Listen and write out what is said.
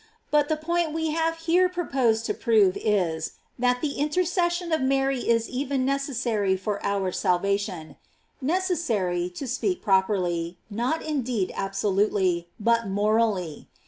But the point that we here pro pose to prove is, that the intercession of Mary is even necessary for our salvation: necessary, to speak properly, not indeed absolutely, but mor ally.